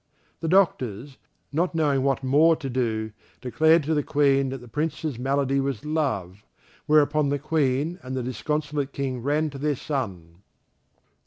The doctors, not knowing what more to do, declared to the Queen that the Prince's malady was love, whereupon the Queen and the disconsolate King ran to their son.